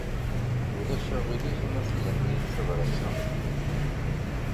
Ulac aɣilif ma tuznem-iyi tabṛat-a?